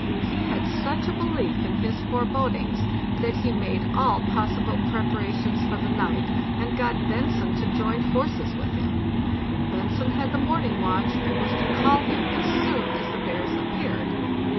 He had such a belief in his forebodings that he made all possible prep arations for the night and got Bentzen to join forces with him. Bentzen had the morning watch, and was to call him as soon as the bears appeared.